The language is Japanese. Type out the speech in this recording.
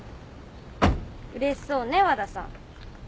うれしそうね和田さん。